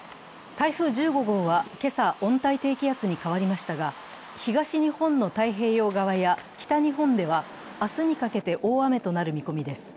台風１５号は今朝、温帯低気圧に変わりましたが東日本の太平洋側や北日本では明日にかけて、大雨となる見込みです。